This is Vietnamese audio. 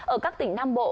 ở các tỉnh nam bộ